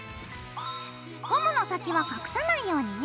ゴムの先は隠さないようにね。